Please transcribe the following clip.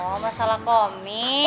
oh masalah komik